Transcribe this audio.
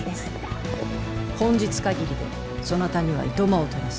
本日限りでそなたには暇をとらす。